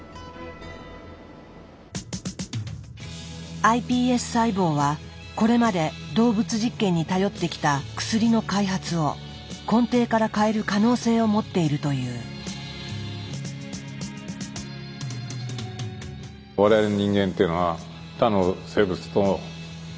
ｉＰＳ細胞はこれまで動物実験に頼ってきた薬の開発を根底から変える可能性を持っているという。はなるほど。